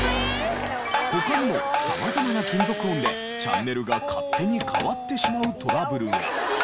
他にも様々な金属音でチャンネルが勝手に替わってしまうトラブルが。